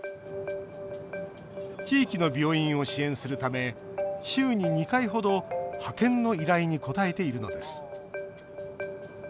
地域の病院を支援するため週に２回ほど派遣の依頼に応えているのです